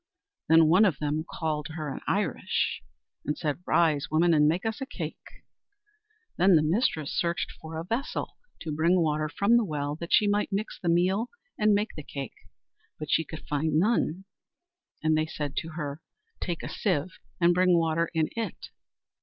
Then one of them called to her in Irish, and said, "Rise, woman, and make us a cake." Then the mistress searched for a vessel to bring water from the well that she might mix the meal and make the cake, but she could find none. And they said to her, "Take a sieve and bring water in it."